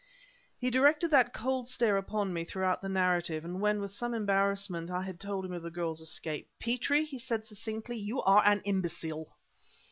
He directed that cold stare upon me throughout the narrative, and when, with some embarrassment, I had told him of the girl's escape "Petrie," he said succinctly, "you are an imbecile!"